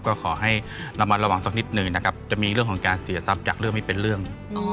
ก็ขอให้ระมัดระวังสักนิดหนึ่งนะครับจะมีเรื่องของการเสียทรัพย์จากเรื่องไม่เป็นเรื่อง